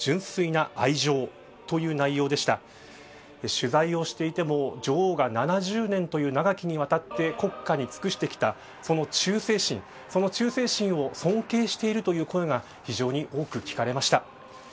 取材をしていても女王が７０年という長きにわたって国家に尽くしてきたその忠誠心その忠誠心を尊敬しているという声が非常に多く聞かれました。